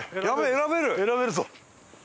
選べるぞ。